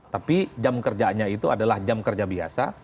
tapi jam kerjanya itu adalah jam kerja biasa